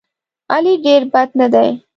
علي ډېر بد نه دی.